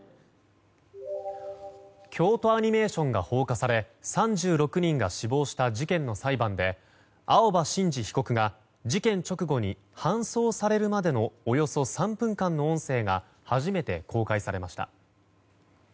京都アニメーションが放火され３６人が死亡した事件の裁判で青葉真司被告が事件直後に搬送されるまでのおよそ３分間の音声が初めて公開されました。